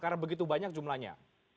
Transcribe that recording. karena begitu banyak jumlanya